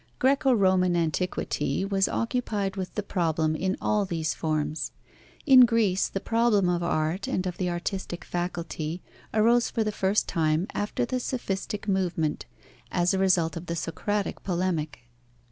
Graeco Roman antiquity was occupied with the problem in all these forms. In Greece, the problem of art and of the artistic faculty arose for the first time after the sophistic movement, as a result of the Socratic polemic.